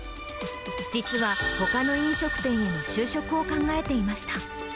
実は、ほかの飲食店への就職を考えていました。